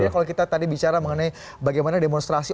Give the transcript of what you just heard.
kalau kita tadi bicara mengenai bagaimana demonstrasi